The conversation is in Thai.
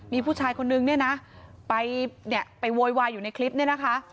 มีผู้ชายคนนึงเนี่ยนะไปเนี่ยไปโวยวายอยู่ในคลิปเนี่ยนะคะ